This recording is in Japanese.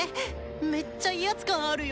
めっちゃ威圧感あるよ。